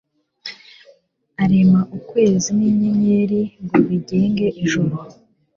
arema ukwezi n'inyenyeri ngo bigenge ijoro